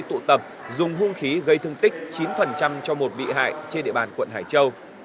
tụ tập dùng hung khí gây thương tích chín cho một bị hại trên địa bàn quận hải châu